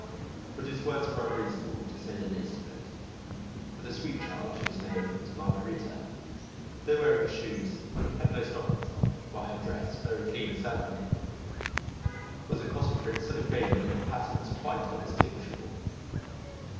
But his words were unreasonable, to say the least of it; for the sweet child, whose name was Margarita, though wearing shoes, had no stockings on, while her dress very clean, certainly was a cotton print so faded that the pattern was quite undistinguishable.